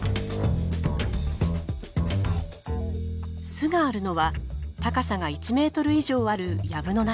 巣があるのは高さが１ｍ以上ある藪の中。